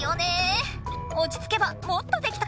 おちつけばもっとできたかも。